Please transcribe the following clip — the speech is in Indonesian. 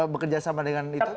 bekerja sama dengan itu